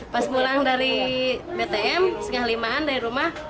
pas pulang dari btm setengah limaan dari rumah